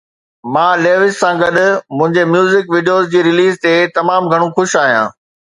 مان ليوس سان گڏ منهنجي ميوزڪ ويڊيو جي رليز تي تمام گهڻو خوش آهيان